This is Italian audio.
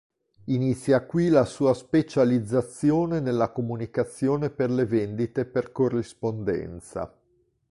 Inizia qui la sua specializzazione nella comunicazione per le vendite per corrispondenza.